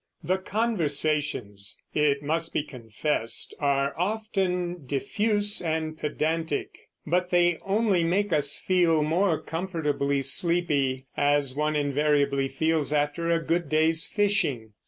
The conversations, it must be confessed, are often diffuse and pedantic; but they only make us feel most comfortably sleepy, as one invariably feels after a good day's fishing.